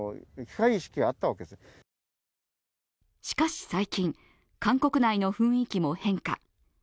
しかし最近、韓国内の雰囲気も変化。